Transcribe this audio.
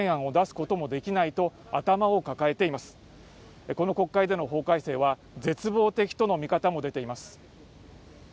この国会での法改正は絶望的との見方も出ています